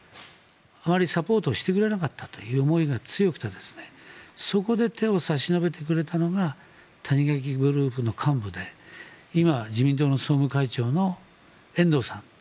あまりサポートしてくれなかったという思いが強くてそこで手を差し伸べてくれたのが谷垣グループの幹部で今、自民党の総務会長の遠藤さん。